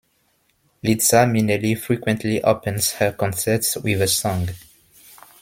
Liza Minnelli frequently opens her concerts with the song.